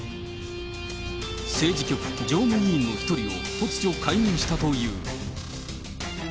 政治局常務委員の１人を突如、解任したという。